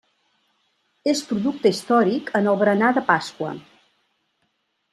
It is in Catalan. És producte històric en el berenar de Pasqua.